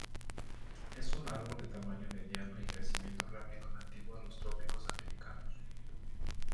Es un árbol de tamaño mediano y crecimiento rápido nativo a los trópicos americanos.